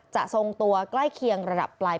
ทรงตัวใกล้เคียงระดับปลาย